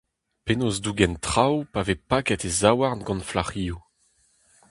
Penaos dougen traoù pa vez paket e zaouarn gant flac'hioù ?